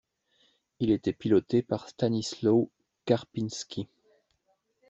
Il était piloté par Stanisław Karpiński.